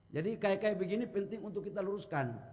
jadi kaya kaya begini penting untuk kita luruskan